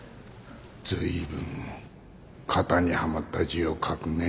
ずいぶん型にはまった字を書くね